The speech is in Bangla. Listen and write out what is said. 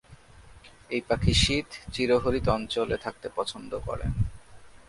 এই পাখি শীত, চিরহরিৎ অঞ্চলে থাকতে পছন্দ করে।